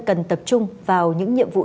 cần tập trung vào những nhiệm vụ